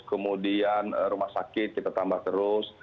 kemudian rumah sakit kita tambah terus